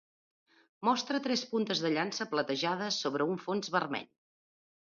Mostra tres puntes de llança platejades sobre un fons vermell.